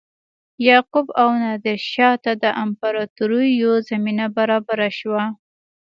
یعقوب او نادرشاه ته د امپراتوریو زمینه برابره شوه.